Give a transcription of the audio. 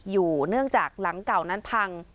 อยู่เนื่องจากหลังเก่านั้นพัง